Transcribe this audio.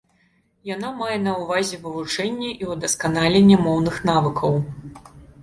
Яна мае на ўвазе вывучэнне і ўдасканаленне моўных навыкаў.